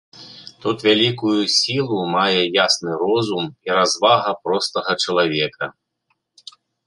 Тут вялікую сілу мае ясны розум і развага простага чалавека.